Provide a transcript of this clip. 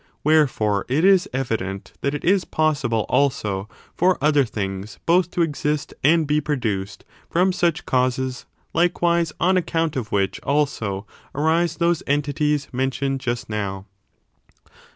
Wherefore, it is evident that it is possible, also, for other things both to exist and be produced from such causes^ likewise, on account of which, also, arise those entities men tioned just now.